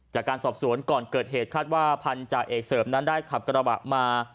จากการสอบสวนก่อนเกิดเหตุคาดว่าพันธาเอกเสริมนั้นได้ขับกระบะมา